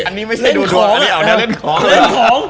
อันนี้ไม่ใช่ดูโทอันนี้เอาเนี่ยเล่นของ